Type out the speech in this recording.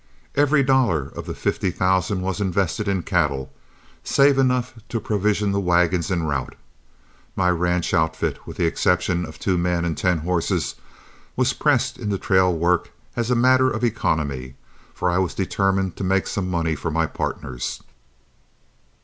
Every dollar of the fifty thousand was invested in cattle, save enough to provision the wagons en route. My ranch outfit, with the exception of two men and ten horses, was pressed into trail work as a matter of economy, for I was determined to make some money for my partners.